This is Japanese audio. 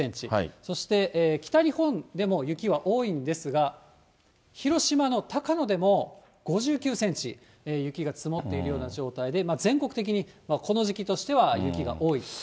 そして、北日本でも雪は多いんですが、広島の高野でも５９センチ雪が積もっているような状態で、全国的にこの時期としては雪が多いと。